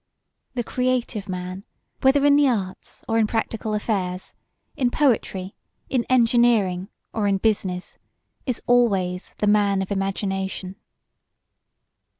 The creative man, whether in the arts or in practical affairs, in poetry, in engineering or in business, is always the man of imagination.